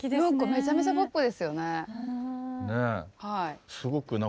めちゃめちゃポップですよね。